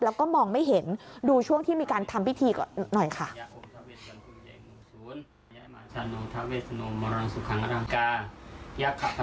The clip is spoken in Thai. แล้วก็มองไม่เห็นดูช่วงที่มีการทำพิธีก่อนหน่อยค่ะ